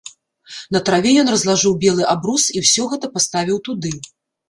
На траве ён разлажыў белы абрус і ўсё гэта паставіў туды.